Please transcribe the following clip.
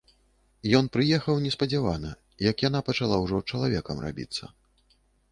Ён прыехаў неспадзявана, як яна пачала ўжо чалавекам рабіцца.